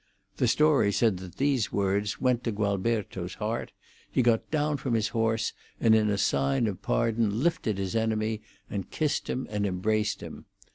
The story says that these words went to Gualberto's heart; he got down from his horse, and in sign of pardon lifted his enemy and kissed and embraced him.